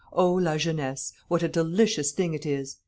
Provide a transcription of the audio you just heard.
"O, la jeunesse, what a delicious thing it is!